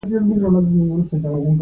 د ستوري چاودنه نوې ستوري رامنځته کوي.